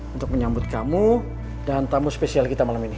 untuk menyambut kamu dan tamu spesial kita malam ini